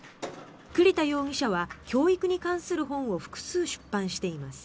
栗田容疑者は教育に関する本を複数出版しています。